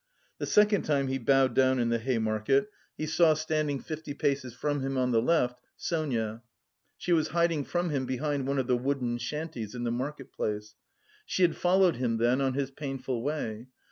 The second time he bowed down in the Hay Market he saw, standing fifty paces from him on the left, Sonia. She was hiding from him behind one of the wooden shanties in the market place. She had followed him then on his painful way!